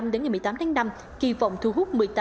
đến ngày một mươi tám tháng năm kỳ vọng thu hút